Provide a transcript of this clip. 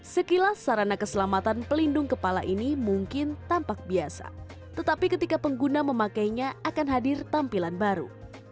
sekilas sarana keselamatan pelindung kepala ini mungkin tampak biasa tetapi ketika pengguna memakainya akan hadir tampilan baru